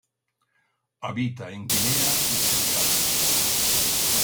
Habita en Guinea y Senegal.